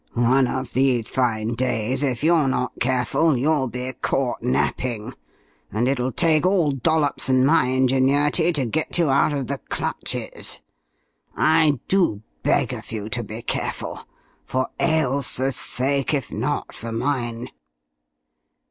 One of these fine days, if you're not careful, you'll be caught napping, and it'll take all Dollops's and my ingenuity to get you out of the clutches. I do beg of you to be careful for Ailsa's sake, if not for mine."